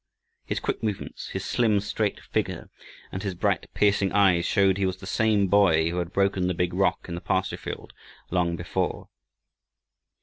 His quick movements, his slim, straight figure, and his bright, piercing eyes showed he was the same boy who had broken the big rock in the pasture field long before.